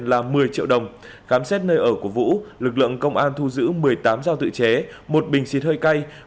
là một mươi triệu đồng khám xét nơi ở của vũ lực lượng công an thu giữ một mươi tám giao tự chế một bình xịt hơi cay